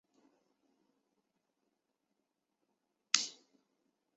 好多年没有客人了